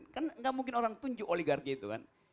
kan nggak mungkin orang tunjuk oligarki itu kan